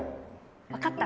わかった。